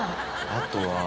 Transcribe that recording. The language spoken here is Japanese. あとは。